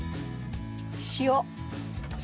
塩。